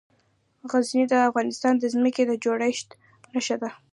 غزني د افغانستان د ځمکې د جوړښت نښه ده.